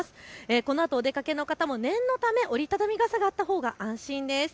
このあとお出かけの方も念のため折り畳み傘があったほうが安心です。